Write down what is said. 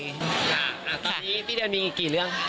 ตอนนี้พี่เดียวมีกี่เรื่อง